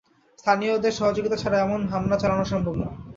স্থানীয়দের সহযোগিতা ছাড়া এমন হামলা চালানো সম্ভব নয়।